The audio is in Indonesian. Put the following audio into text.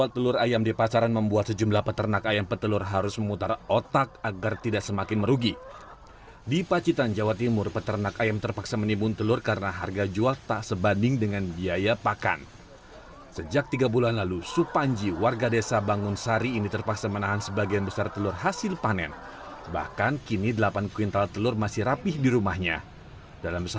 telur ayam milik pria lima puluh delapan tahun ini bisa menghasilkan dua kwintal telur ayam